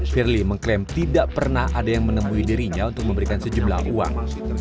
firly mengklaim tidak pernah ada yang menemui dirinya untuk memberikan sejumlah uang